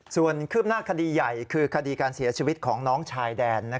ส่วนคืบหน้าคดีใหญ่คือคดีการเสียชีวิตของน้องชายแดน